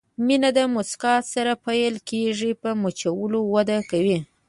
مینه په مسکا سره پیل کېږي، په مچولو وده کوي.